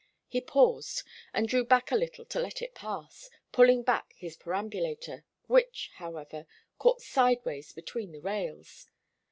He paused, and drew back a little to let it pass, pulling back his perambulator, which, however, caught sideways between the rails.